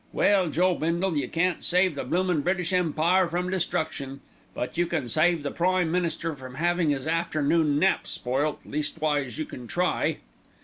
Well, Joe Bindle, you can't save the bloomin' British Empire from destruction; but you can save the Prime Minister from 'avin' 'is afternoon nap spoilt, leastwise you can try.